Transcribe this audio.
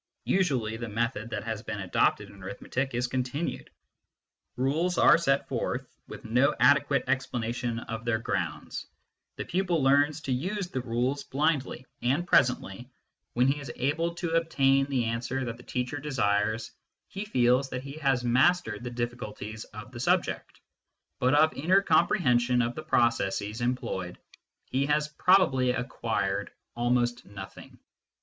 Usually the method that has been adopted in arithmetic is con tinued : rules are set forth, with no adequate explanation of their grounds ; the pupil learns to use the rules blindly, 64 MYSTICISM AND LOGIC and presently, when he is able to obtain the answer that the teacher desires, he feels that he has mastered the difficulties of the subject. But of inner comprehension of the processes employed he has probably acquired almost nothing.